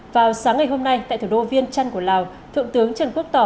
vào sáng ngày hôm nay tại thủ đô viên trăn của lào thượng tướng trần quốc tỏ